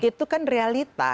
itu kan realita